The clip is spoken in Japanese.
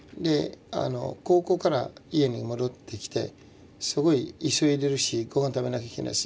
高校から家に戻ってきてすごい急いでるしご飯食べなきゃいけないし。